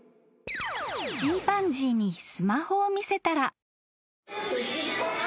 ［チンパンジーにスマホを見せたら］